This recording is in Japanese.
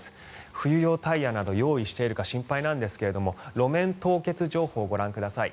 冬用タイヤなど用意しているか心配なんですけど路面凍結情報をご覧ください。